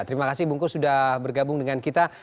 terima kasih bungkus sudah bergabung dengan kita